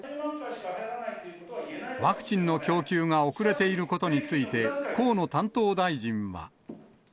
ワクチンの供給が遅れていることについて、河野担当大臣は。